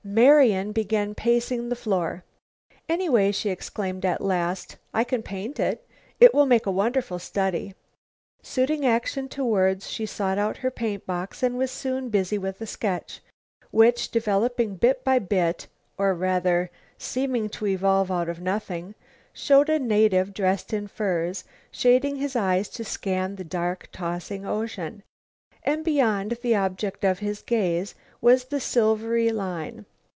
Marian began pacing the floor. "Anyway," she exclaimed at last, "I can paint it. It will make a wonderful study." Suiting action to words, she sought out her paint box and was soon busy with a sketch, which, developing bit by bit, or rather, seeming to evolve out of nothing, showed a native dressed in furs, shading his eyes to scan the dark, tossing ocean. And beyond, the object of his gaze, was the silvery line.